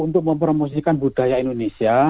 untuk mempromosikan budaya indonesia